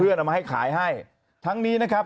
เอามาให้ขายให้ทั้งนี้นะครับ